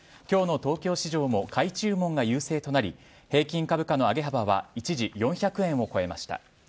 今日の東京市場も買い注文が優勢となり平均株価の上げ幅は一時４００円を超えました。